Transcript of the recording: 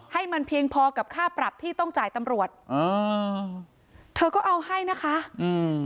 ให้มันเพียงพอกับค่าปรับที่ต้องจ่ายตำรวจอ่าเธอก็เอาให้นะคะอืม